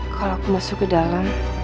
kalau aku masuk ke dalam